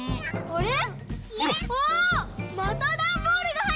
これ。